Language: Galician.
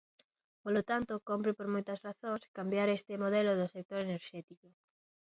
Polo tanto, cómpre, por moitas razóns, cambiar este modelo do sector enerxético.